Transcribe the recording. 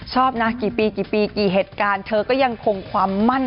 ชอบนะกี่ปีกี่ปีกี่เหตุการณ์เธอก็ยังคงความมั่น